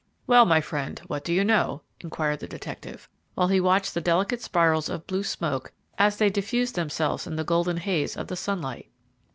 "Well, my friend, what do you know?" inquired the detective, while he watched the delicate spirals of blue smoke as they diffused themselves in the golden haze of the sunlight.